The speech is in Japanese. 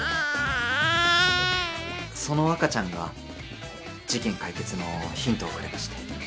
・その赤ちゃんが事件解決のヒントをくれまして。